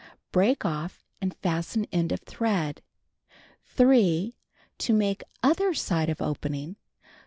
Break off and fasten end of thread. 3. To make other side of opening.